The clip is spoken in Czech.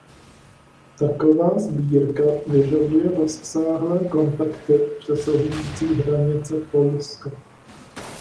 Taková sbírka vyžaduje rozsáhlé kontakty přesahující hranice Polska.